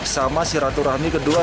sama si ratu rahmi kedua